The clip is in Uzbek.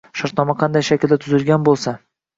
shartnoma qanday shaklda tuzilgan bo‘lsa